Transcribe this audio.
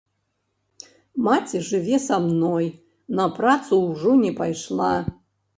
Маці жыве са мной, на працу ўжо не пайшла.